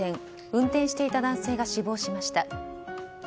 運転していた男性が死亡しました。